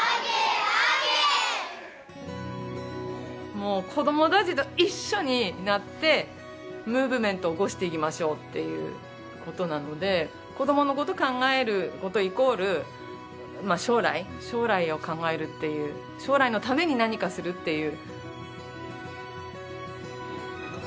もう子どもたちと一緒になってムーブメントを起こしていきましょうっていうことなので子どものことを考えることイコール将来将来を考えるっていう将来のために何かするっていう。